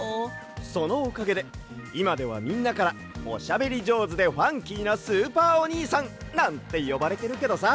そのおかげでいまではみんなからおしゃべりじょうずでファンキーなスーパーおにいさんなんてよばれてるけどさ。